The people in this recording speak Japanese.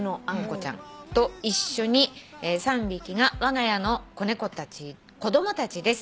「と一緒に３匹がわが家の子猫たち子供たちです」